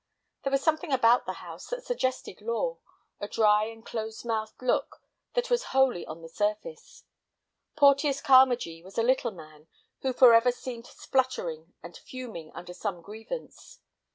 There was something about the house that suggested law, a dry and close mouthed look that was wholly on the surface. Porteus Carmagee was a little man, who forever seemed spluttering and fuming under some grievance.